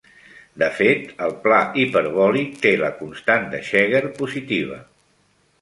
De fet, el pla hiperbòlic té la constant de Cheeger positiva.